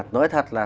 nói thật là